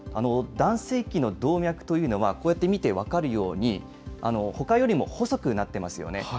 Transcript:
男性器の動脈というのは、こうやって見て分かるように、ほかよりも細くなってますよね。